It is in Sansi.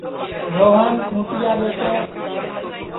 روہن کُونٚٹِیا دؔے تو